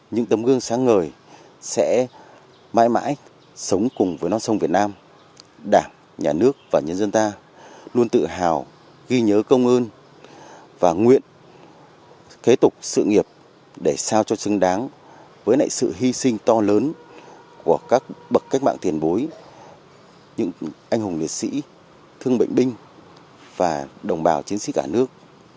những tấm gương sáng ngời sẽ mãi mãi sống cùng với non sông việt nam đảng nhà nước và nhân dân ta luôn tự hào ghi nhớ công ơn và nguyện kế tục sự nghiệp để sao cho chứng đáng với nại sự hy sinh to lớn của các bậc cách mạng tiền bối những anh hùng liệt sĩ thương bệnh binh và đồng bào chiến sĩ cả nước